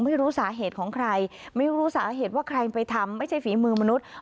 ไม่รู้สาเหตุของใครไม่รู้สาเหตุว่าใครไปทำไม่ใช่ฝีมือมนุษย์